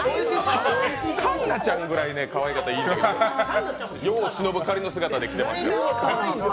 環奈ちゃんぐらい、かわいかったらいいんやけど、世を忍ぶ仮の姿で来ていますからね。